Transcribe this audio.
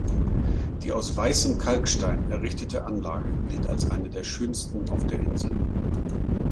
Die aus weißem Kalkstein errichtete Anlage gilt als eine der schönsten auf der Insel.